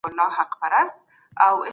خلګ ولې د احمد شاه بابا مزار ته ځي؟